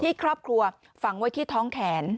ครอบครัวฝังไว้ที่ท้องแขน